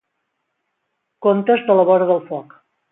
Contes de la vora del foc.